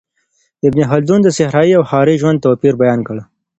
ابن خلدون د صحرایي او ښاري ژوند توپیر بیان کړ.